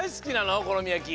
おこのみやき。